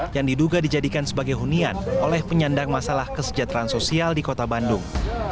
yang diduga dijadikan sebagai hunian oleh penyandang masalah kesejahteraan sosial di kota bandung